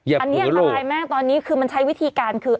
อันนี้อันตรายมากตอนนี้คือมันใช้วิธีการคือ